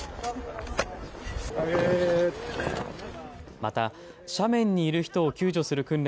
また斜面にいる人を救助する訓練